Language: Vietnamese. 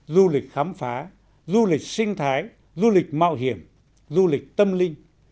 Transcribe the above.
du lịch khám phá du lịch sinh thái du lịch mạo hiểm du lịch tâm linh